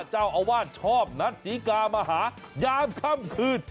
เจ้าอาวาสชอบนัดศรีกามาหายามค่ำคืน